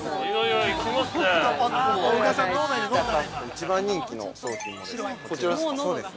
◆一番人気の商品です。